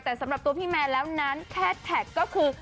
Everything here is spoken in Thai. แต่สำหรับตัวพี่แมนแล้วนั้นแคทก็คือ